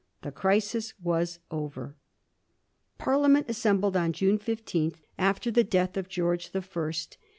The crisis was over. Parliament assembled on June 15, after the death of George the First.